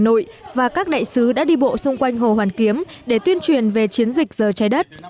hà nội và các đại sứ đã đi bộ xung quanh hồ hoàn kiếm để tuyên truyền về chiến dịch giờ trái đất